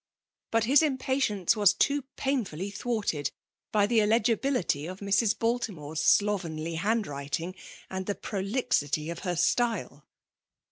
But his impatience was too pain&Uy thwarted by the illegibility of Mrs. Baltimore's slovenly hand writingy and the poroli^ty of her stylo.